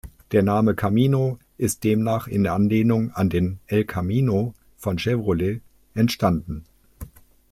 Der Name "Camino" ist demnach in Anlehnung an den El Camino von Chevrolet entstanden.